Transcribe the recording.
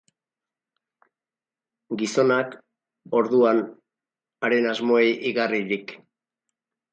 Gizonak, orduan, haren asmoei igarririk.